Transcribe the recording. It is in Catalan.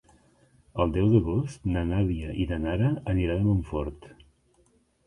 El deu d'agost na Nàdia i na Nara aniran a Montfort.